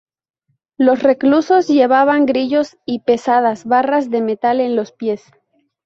Los reclusos llevaban grillos y pesadas barras de metal en los pies.